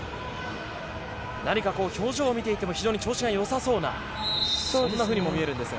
何か表情を見ていても調子が良さそうな、そんなふうにも見えるんですが。